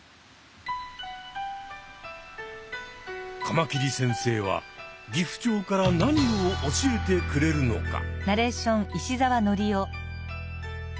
カマキリ先生はギフチョウから何を教えてくれるのか。